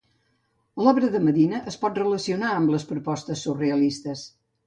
L’obra de Medina es pot relacionar amb les propostes surrealistes.